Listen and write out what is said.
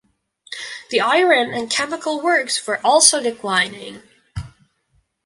The iron and chemical works were also declining.